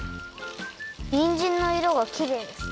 にんじんのいろがきれいです。